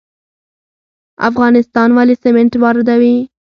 افغانستان ولې سمنټ واردوي؟